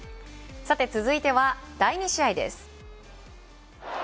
さて続いては第２試合です。